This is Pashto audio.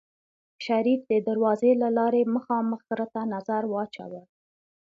شريف د دروازې له لارې مخامخ غره ته نظر واچوه.